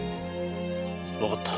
わかった。